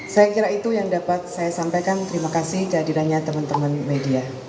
saya kira itu yang dapat saya sampaikan terima kasih kehadirannya teman teman media